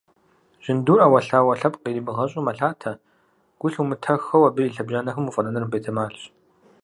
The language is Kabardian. Жьындур, Iэуэлъауэ лъэпкъ иримыгъэщIу, мэлъатэ, гу лъумытэххэу абы и лъэбжьанэхэм уфIэнэныр бетэмалщ.